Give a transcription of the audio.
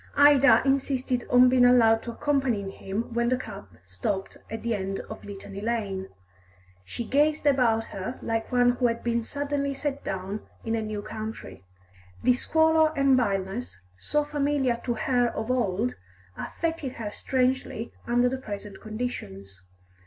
Ida insisted on being allowed to accompanying him when the cab stopped at the end of Litany Lane. She gazed about her like one who had been suddenly set down in a new country; this squalor and vileness, so familiar to her of old, affected her strangely under the present conditions.